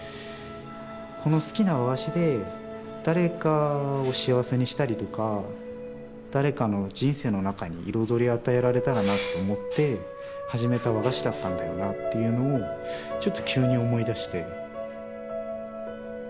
この好きな和菓子で誰かを幸せにしたりとか誰かの人生の中に彩りを与えられたらなって思って始めた和菓子だったんだよなというのをちょっと急に思い出して。